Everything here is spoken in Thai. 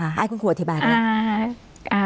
ไอ้คุณครูอธิบายกัน